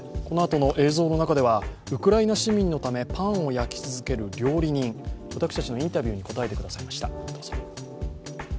このあとの映像の中ではウクライナ市民のためパンを焼き続ける料理人、私たちのインタビューに答えてくださいました。